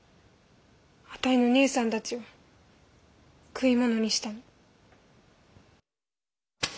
あたいの姉さんたちを食い物にしたの。